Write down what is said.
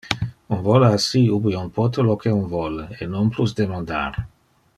On vole assi ubi On pote lo que On vole! E non plus demandar.